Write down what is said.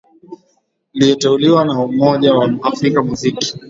liyeteuliwa na umoja wa afrika muziki